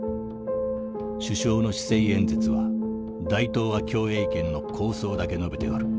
「首相の施政演説は大東亜共栄圏の構想だけ述べておる。